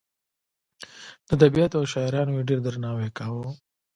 د ادبیاتو او شاعرانو یې ډېر درناوی کاوه.